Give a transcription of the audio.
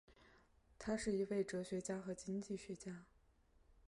他是一位哲学家和经济学家。